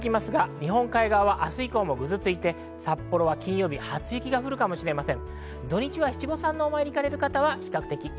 日本海側は明日以降もぐずついて、札幌では金曜日に初雪が降るかもしれません。